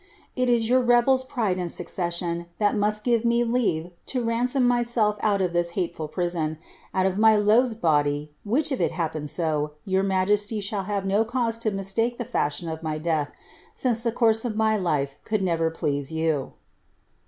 It is your rebefs pride and succession that must give me leave to ransome myself out of this hateful prison, out of my loathed body, which, if it happened so, your majesty shall have no cause to mistake the &ahion of my death, since the course of my life could never please you.